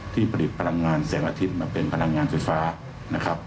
ผลิตพลังงานแสงอาทิตย์มาเป็นพลังงานไฟฟ้านะครับ